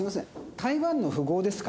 台湾の富豪ですか？